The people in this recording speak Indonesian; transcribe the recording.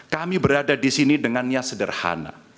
kami berada di sini dengannya sederhana